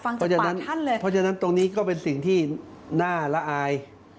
นี่ค่ะท่านอยากฟังจากปากท่านเลย